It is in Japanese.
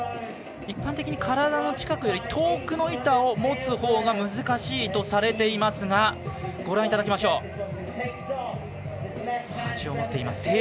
一般的に体の近くより遠くの板を持つのが難しいとされていますが端を持っています。